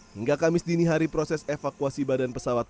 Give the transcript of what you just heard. hingga kamis dini hari proses evakuasi badan pesawat